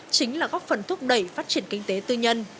chính là góp phần thúc đẩy phát triển kinh tế tư nhân